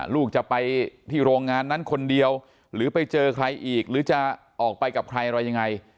ลูกจะไปที่โรงงานนั้นคนเดียวหรือไปเจอใครอีกหรือจะออกไปกับใครอะไรยังไง